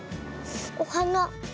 おはな。